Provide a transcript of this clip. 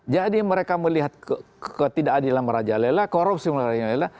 jadi mereka melihat ketidakadilan merajalela korupsi merajalela